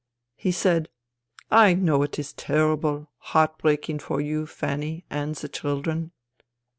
" He said, ' I know it is terrible, heartbreaking for you, Fanny, and the children.